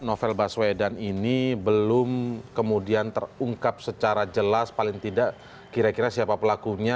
novel baswedan ini belum kemudian terungkap secara jelas paling tidak kira kira siapa pelakunya